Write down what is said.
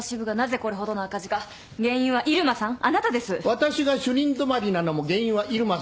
私が主任止まりなのも原因は入間さんですから。